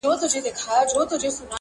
روغ صورت باچهي ده